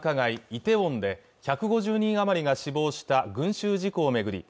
イテウォンで１５０人余りが死亡した群集事故を巡り